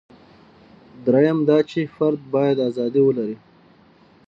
درېیم دا چې فرد باید ازادي ولري.